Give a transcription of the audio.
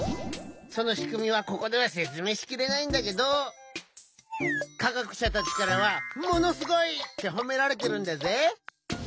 そのしくみはここではせつめいしきれないんだけどかがくしゃたちからはものすごいってほめられてるんだぜ！